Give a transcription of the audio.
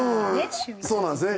そうなんですね。